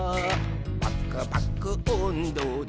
「パクパクおんどで」